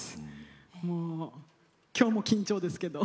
もう今日も緊張ですけど。